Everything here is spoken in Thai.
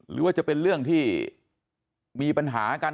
หรือว่าจะเป็นเรื่องที่มีปัญหากัน